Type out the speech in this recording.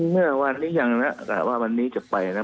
เมื่อวันนี้ยังนะแต่ว่าวันนี้จะไปนะ